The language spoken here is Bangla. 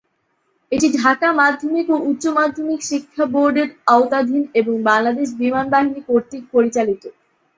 এটি ঢাকা মাধ্যমিক ও উচ্চমাধ্যমিক শিক্ষা বোর্ড-এর আওতাধীন এবং বাংলাদেশ বিমানবাহিনী কর্তৃক পরিচালিত।